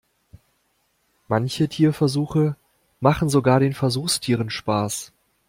Manche Tierversuche machen sogar den Versuchstieren Spaß.